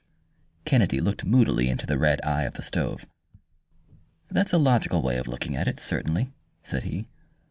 Kennedy looked moodily into the red eye of the stove. "That's a logical way of looking at it, certainly," said he.